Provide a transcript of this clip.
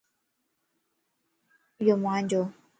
ايو مانجوَ